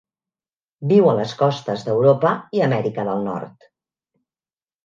Viu a les costes d'Europa i Amèrica del Nord.